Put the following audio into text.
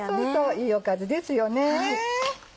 いいおかずですよね。